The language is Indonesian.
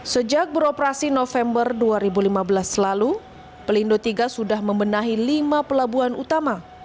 sejak beroperasi november dua ribu lima belas lalu pelindo tiga sudah membenahi lima pelabuhan utama